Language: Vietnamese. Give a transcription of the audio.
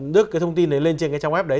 đưa cái thông tin đấy lên trên cái trang web đấy